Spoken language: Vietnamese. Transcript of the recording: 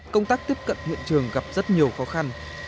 công tác tiếp cận hiện trường gặp rất nhiều khó khăn